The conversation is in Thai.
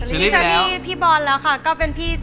พี่ชัลลี่พี่บอลค่ะก็เป็นพี่